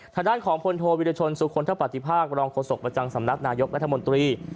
ทางด้านของพลโทวิรชนสุคลทปฏิภาครองโฆษกประจำสำนักนายกรัฐมนตรี